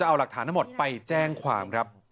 สินค้าทั้งหมดไปแจ้งความครับ